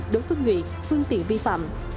đối với người phương tiện vi phạm